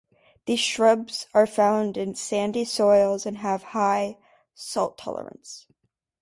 These shrubs are found in sandy soils and have a high salt tolerance.